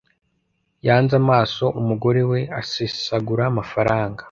yanze amaso umugore we asesagura amafaranga